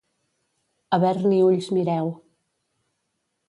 Haver-n'hi ulls mireu.